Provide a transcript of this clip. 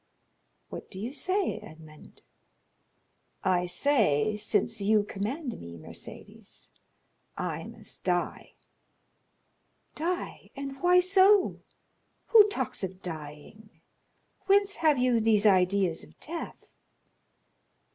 "What do you say, Edmond?" "I say, since you command me, Mercédès, I must die." "Die? and why so? Who talks of dying? Whence have you these ideas of death?"